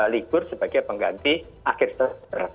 libur sebagai pengganti akhir september